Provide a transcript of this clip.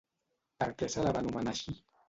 Per què se la va anomenar així?